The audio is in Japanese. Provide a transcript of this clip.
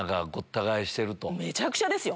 めちゃくちゃですよ！